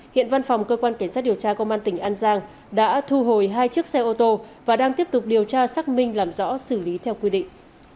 hiện văn phòng cơ quan cảnh sát điều tra công an tỉnh an giang đã thu hồi hai chiếc xe ô tô và đang tiếp tục điều tra xác minh làm rõ xử lý theo quy định